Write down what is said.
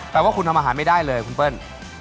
ว่าคุณทำอาหารไม่ได้เลยคุณเปิ้ล